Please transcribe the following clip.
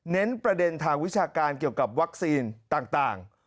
ประเด็นทางวิชาการเกี่ยวกับวัคซีนต่าง